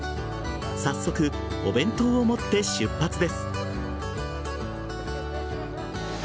早速、お弁当を持って出発です。